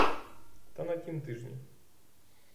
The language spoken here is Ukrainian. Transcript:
Та на тім тижні.